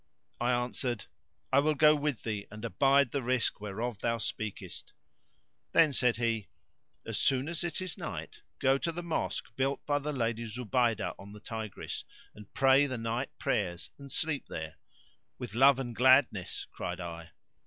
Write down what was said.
I answered, "I will go with thee and abide the risk whereof thou speakest." Then said he, "As soon as it is night, go to the Mosque built by the Lady Zubaydah on the Tigris and pray the night prayers and sleep there." "With love and gladness," cried I.